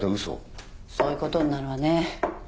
そういうことになるわね。